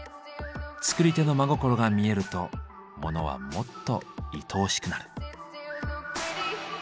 作り手の真心が見えるとモノはもっといとおしくなる。